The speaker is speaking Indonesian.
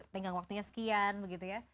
dengan waktunya sekian begitu ya